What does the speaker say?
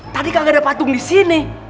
tadi kagak ada patung disini